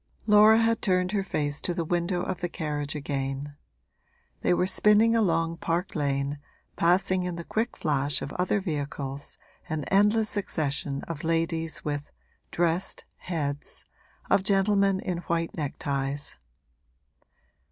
Laura had turned her face to the window of the carriage again; they were spinning along Park Lane, passing in the quick flash of other vehicles an endless succession of ladies with 'dressed' heads, of gentlemen in white neckties.